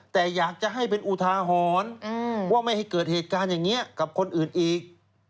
แต่อยากจะให้เป็นอุทาหรณ์ว่าไม่ให้เกิดเหตุการณ์อย่างนี้กับคนอื่นอีก